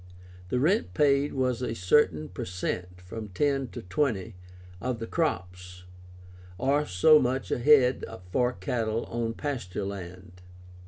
The rent paid was a certain per cent (from 10 to 20) of the crops, or so much a head for cattle on pasture land.